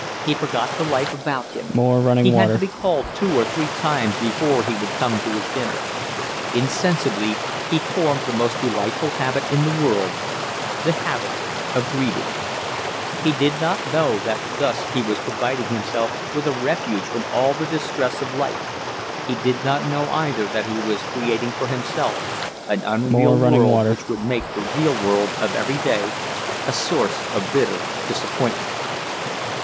He forgot the life about him. He had to be called two or three times before he would come to his dinner. Insensibly he formed the most delightful habit in the world, the habit of reading: he did not know that thus he was providing himself with a refuge from all the distress of life; he did not know either that he was creating for himself an unreal world which would make the real world of every day a source of bitter disappointment.